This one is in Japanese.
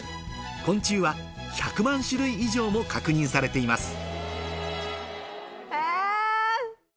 昆虫は１００万種類以上も確認されています